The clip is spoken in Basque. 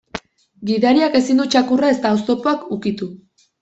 Gidariak ezin du txakurra ezta oztopoak ukitu.